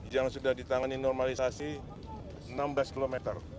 yang sudah ditangani normalisasi enam belas km